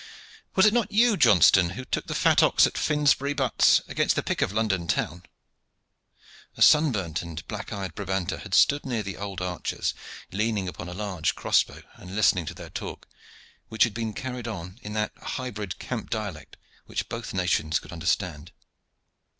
Was it not you, Johnston, who took the fat ox at Finsbury butts against the pick of London town?" A sunburnt and black eyed Brabanter had stood near the old archers, leaning upon a large crossbow and listening to their talk, which had been carried on in that hybrid camp dialect which both nations could understand.